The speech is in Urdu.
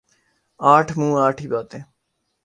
آٹھ منہ آٹھ ہی باتیں ۔